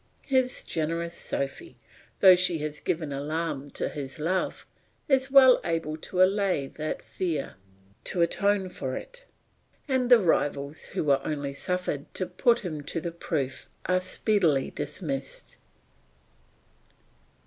His generous Sophy, though she has given alarm to his love, is well able to allay that fear, to atone for it; and the rivals who were only suffered to put him to the proof are speedily dismissed.